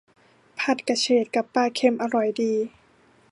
ผัดกระเฉดกับปลาเค็ม อร่อยดี